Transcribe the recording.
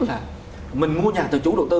là mình mua nhà từ chủ đầu tư